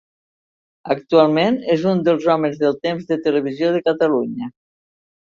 Actualment és un dels homes del temps de Televisió de Catalunya.